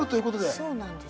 そうなんです。